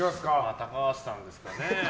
高橋さんですかね。